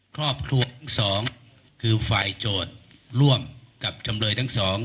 ครอบครัวทั้งสองคือฝ่ายโจทย์ร่วมกับจำเลยทั้งสอง